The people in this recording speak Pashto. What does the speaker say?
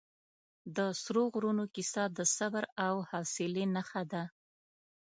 د سرو غرونو کیسه د صبر او حوصلې نښه ده.